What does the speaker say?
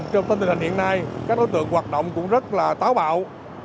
trong tình hình hiện nay các đối tượng hoạt động cũng rất là táo bạo